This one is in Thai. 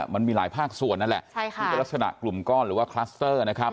มันมีหลายภาคส่วนนั่นแหละที่เป็นลักษณะกลุ่มก้อนหรือว่าคลัสเตอร์นะครับ